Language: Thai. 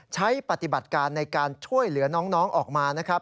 ใช้ปฏิบัติการในการช่วยเหลือน้องออกมานะครับ